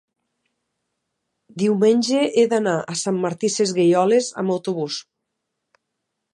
diumenge he d'anar a Sant Martí Sesgueioles amb autobús.